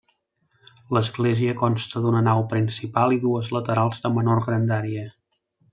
L'església consta d'una nau principal i dues laterals de menor grandària.